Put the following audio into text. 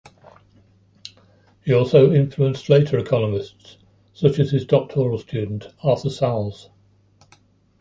He also influenced later economists, such as his doctoral student Arthur Salz.